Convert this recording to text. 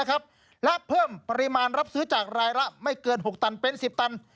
และเพิ่มปริมาณรับซื้อจากรายละไม่เกิน๖ตันเป็น๑๐ตัน